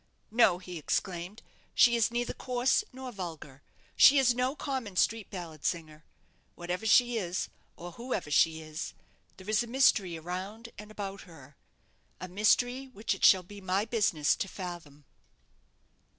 "No," he exclaimed, "she is neither coarse nor vulgar; she is no common street ballad singer. Whatever she is, or whoever she is, there is a mystery around and about her a mystery which it shall be my business to fathom."